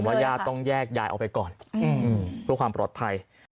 ญาติต้องแยกยายออกไปก่อนเพื่อความปลอดภัย